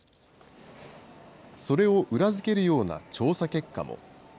それを裏付けるような調査結果も。